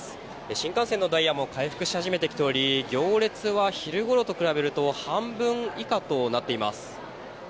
新幹線のダイヤも回復し始めてきており行列は昼ごろと比べると半分以下となっています。